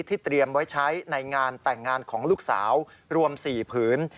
เตรียมไว้ใช้ในงานแต่งงานของลูกสาวรวม๔ผืน